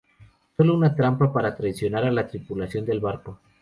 Solo una trampa para traicionar a la tripulación del barco.